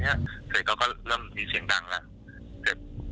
แล้วก็เริ่มมีเชียงดังหนัง